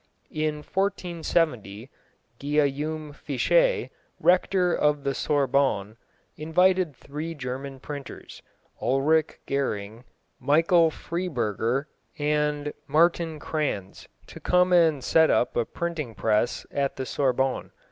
In 1470, Guillaume Fichet, Rector of the Sorbonne, invited three German printers Ulric Gering, Michael Friburger and Martin Cranz to come and set up a printing press at the Sorbonne.